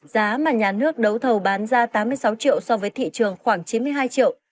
giá mà nhà nước đấu thầu bán ra tám mươi sáu triệu so với thị trường khoảng chín mươi hai triệu